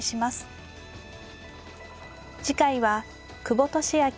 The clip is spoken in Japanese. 次回は久保利明